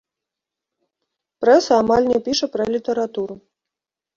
Прэса амаль не піша пра літаратуру.